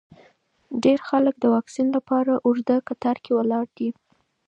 ډېر خلک د واکسین لپاره اوږده کتار کې ولاړ دي.